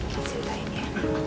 kita ceritain ya